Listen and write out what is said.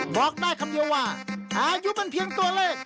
บอกได้คำเดียวว่าอายุมันเพียงตัวเลข